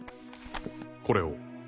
これを。